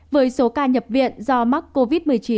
với số ca nhập viện do mắc covid một mươi chín